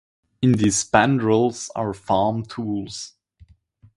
In the spandrels are farm tools.